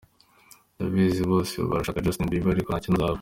Ndabizi bose barashaka Justin bieber ariko ntacyo nzaba.